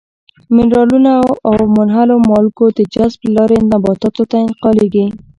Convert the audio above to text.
منرالونه او منحلو مالګو د جذب له لارې نباتاتو ته انتقالیږي.